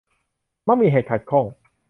มักมีเหตุขัดข้อง